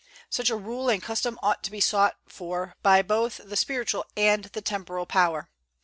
Such a rule and custom ought to be sought for by both the spiritual and the temporal power.